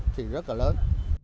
thì rất là lớn